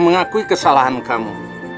mengakui kesalahan kamu